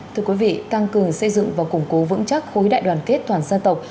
thưa quý vị tăng cường xây dựng và củng cố vững chắc khối đại đoàn kết toàn dân tộc